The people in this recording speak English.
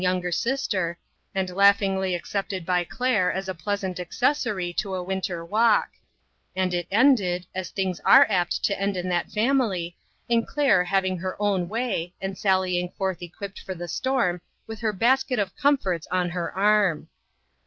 I/ younger sister, and laughingly accepted by Claire as a pleasant accessory to a winter walk ; and it ended, as things were apt to end in that family, in Claire having her own way, and sallying forth equipped for the storm, with her basket of comforts on her arm.